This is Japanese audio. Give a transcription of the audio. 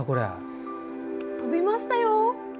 飛びましたよ！